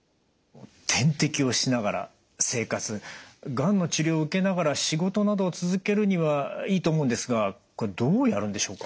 がんの治療を受けながら仕事などを続けるにはいいと思うんですがこれどうやるんでしょうか？